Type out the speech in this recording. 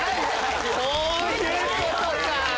そういうことか！